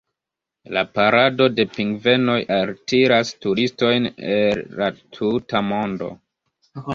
La parado de pingvenoj altiras turistojn el la tuta mondo.